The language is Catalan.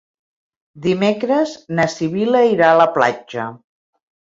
Dimecres na Sibil·la irà a la platja.